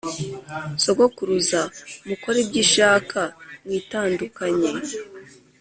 sogokuruza mukore ibyo ishaka mwitandukanye